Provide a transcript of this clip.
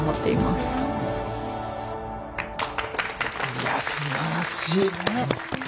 いやすばらしいほんと。